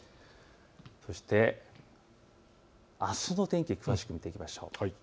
そしてあすの天気詳しく見ていきましょう。